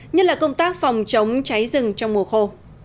nhất là công tác phòng chống cháy rừng trong mùa khô